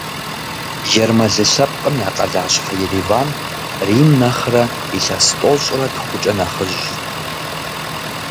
Ермэлы лъэпкъым я къалащхьэ Ереван Рим нэхъырэ илъэс тӏощӏрэ тхукӏэ нэхъыжьщ.